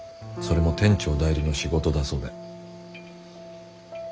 それも店長代理の仕事だそうで。